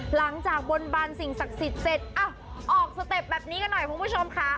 หลังจากบนบานสิ่งศักดิ์สิทธิ์เสร็จออกสเต็ปแบบนี้กันหน่อยคุณผู้ชมค่ะ